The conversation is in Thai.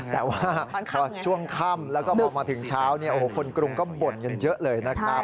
แต่ว่าพอช่วงค่ำแล้วก็พอมาถึงเช้าคนกรุงก็บ่นกันเยอะเลยนะครับ